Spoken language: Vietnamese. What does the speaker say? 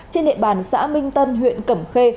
trên địa bàn xã minh tân huyện cẩm khê